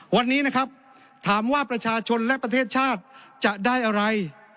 วันนี้นะครับถามว่าประชาชนและประเทศชาติจะได้อะไร